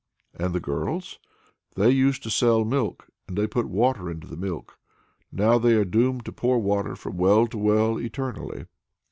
"And the girls?" "They used to sell milk, and they put water into the milk. Now they are doomed to pour water from well to well eternally."